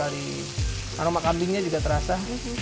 aroma kambingnya juga terasa